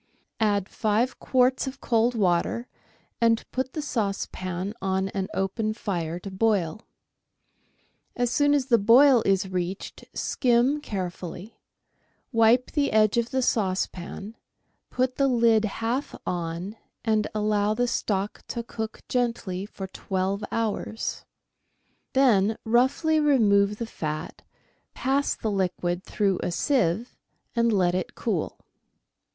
Add five quarts of cold water, and put the saucepan on an open fire to boil. As soon as the boil is reached skim carefully; wipe the edge of the saucepan ; put the lid half on, and allow the stock to cook gently for twelve hours; then roughly remove the fat; pass the liquid through a sieve, and let it cool.